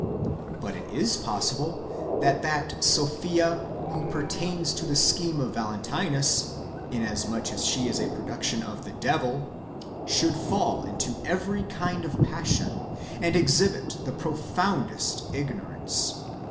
But it is possible that that Sophia (wisdom) who pertains to [the scheme] of Valentinus, inasmuch as she is a production of the devil, should fall into every kind of passion, and exhibit the profoundest ignorance.